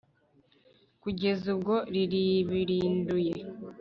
kugeza ubwo riribirinduye